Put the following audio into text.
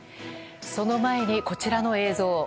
その前に、こちらの映像。